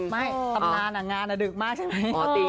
ไม่ตำนานอ่ะงานอาดึกมากใช่ไหมอ๋อตี๓น